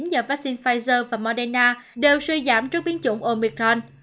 nhờ vaccine pfizer và moderna đều suy giảm trước biến chủng omicron